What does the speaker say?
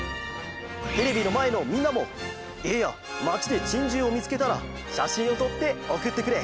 テレビのまえのみんなもいえやまちでチンジューをみつけたらしゃしんをとっておくってくれ！